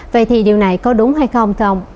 vậy thì điều này có đúng hay không không